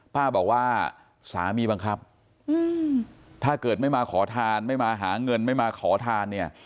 ป้าบอกว่าสามีบังคับถ้าเกิดไม่มาขอทานไม่มาหาเงินไม่มาขอทานเนี่ย